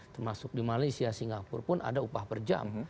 termasuk di malaysia singapura pun ada upah per jam